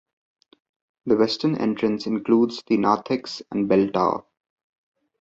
The western entrance includes the narthex and bell tower.